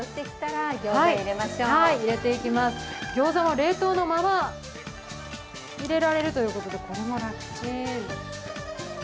ギョーザは冷凍のまま入れられるということで、これも楽ちん。